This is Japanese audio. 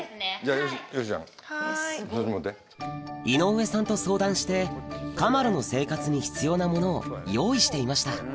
井上さんと相談してカマロの生活に必要なものを用意していました